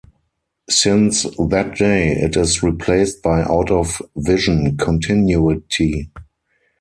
Since that day, it is replaced by out-of-vision continuity.